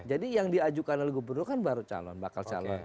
jadi yang diajukan oleh gubernur kan baru calon bakal calon